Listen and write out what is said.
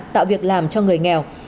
tạo việc làm cho người nghèo